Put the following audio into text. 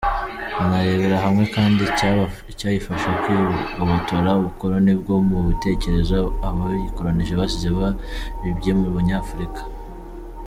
Banarebera hamwe kandi icyayifasha kwigobotora ubukoloni bwo mu bitekerezo abayikolonije basize babibye mu Banyafurika.